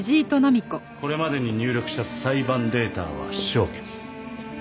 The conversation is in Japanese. これまでに入力した裁判データは消去。